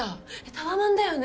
タワマンだよね？